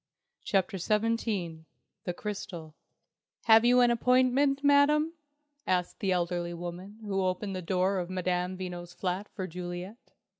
CHAPTER XVII THE CRYSTAL "Have you an appointment, Madam?" asked the elderly woman who opened the door of Madame Veno's flat for Juliet.